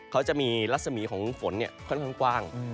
เขาจะมีรัศมีของฝนค่อนข้างกว้าง